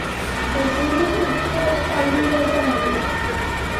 Ezin ditut bi gauza aldi berean egin.